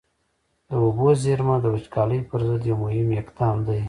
د اوبو زېرمه د وچکالۍ پر ضد یو مهم اقدام دی.